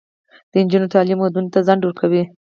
د نجونو تعلیم ودونو ته ځنډ ورکوي.